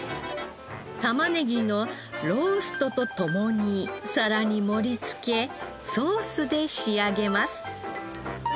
玉ねぎのローストと共に皿に盛りつけソースで仕上げます。